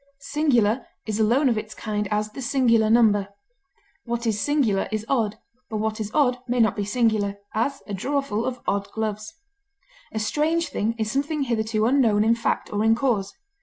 Singular is alone of its kind; as, the singular number. What is singular is odd, but what is odd may not be singular; as, a drawerful of odd gloves. A strange thing is something hitherto unknown in fact or in cause.